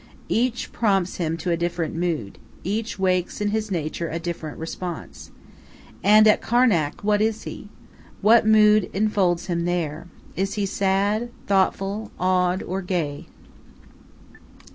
Each prompts him to a different mood, each wakes in his nature a different response. And at Karnak what is he? What mood enfolds him there? Is he sad, thoughtful, awed, or gay?